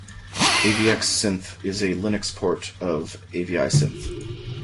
AvxSynth is a Linux port of AviSynth.